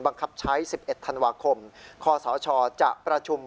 บังคับใช้๑๑ธันวาคมคศจะประชุม